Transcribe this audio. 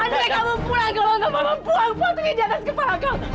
andri kamu pulang kalau nggak mau mempulang patuhi di atas kepala kau